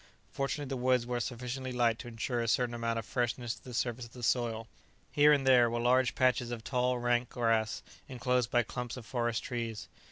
Fortunately the woods were sufficiently light to ensure a certain amount of freshness to the surface of the soil. Here and there were large patches of tall, rank grass enclosed by clumps of forest trees.